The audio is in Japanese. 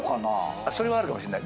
それはあるかもしれない。